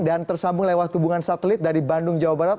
tersambung lewat hubungan satelit dari bandung jawa barat